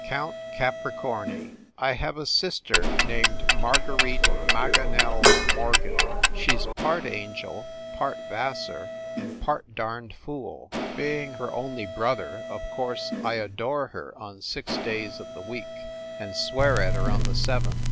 COUNT CAPRICORNI I have a sister named Marguerite Maganel Mor gan. She s part angel, part Vassar, and part darned fool. Being her only brother, of course I adore her FIND THE WOMAN on six days of the week, and swear at her on the seventh.